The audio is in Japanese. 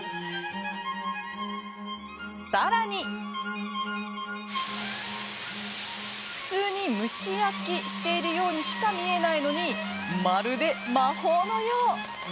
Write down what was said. さらに普通に蒸し焼きしているようにしか見えないのにまるで魔法のよう。